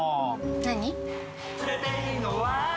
何？